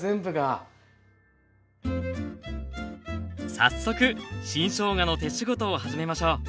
早速新しょうがの手仕事を始めましょう。